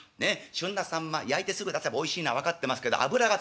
旬なさんま焼いてすぐ出せばおいしいのは分かってますけど脂が強い。